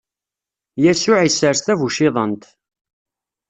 Yasuɛ isers tabuciḍant.